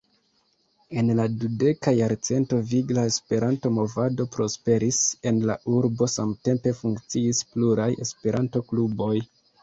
En la dudeka jarcento vigla Esperanto-movado prosperis en la urbo, samtempe funkciis pluraj Esperanto-kluboj.